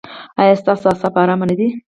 ایا ستاسو اعصاب ارام نه دي؟